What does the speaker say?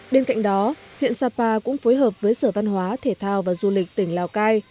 bên cạnh đó huyện sapa cũng phối hợp với sở văn hóa thể thao và du lịch tỉnh lào cai